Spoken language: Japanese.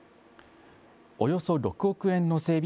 およそ６億円の整備